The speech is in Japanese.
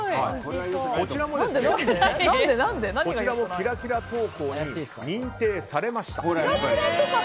こちらもキラキラ投稿に認定されました。